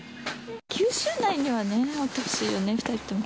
九州内にはね、おってほしいよね、２人とも。